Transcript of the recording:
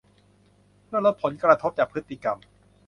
เพื่อลดผลกระทบจากพฤติกรรม